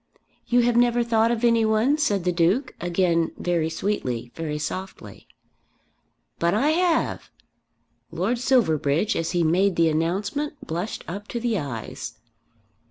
"You have never thought of any one?" said the Duke, again very sweetly, very softly. "But I have!" Lord Silverbridge as he made the announcement blushed up to the eyes.